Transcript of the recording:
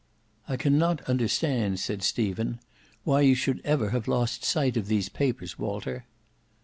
"I cannot understand," said Stephen, "why you should ever have lost sight of these papers, Walter."